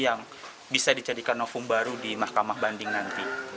yang bisa dicadikan novum baru di mahkamah banding nanti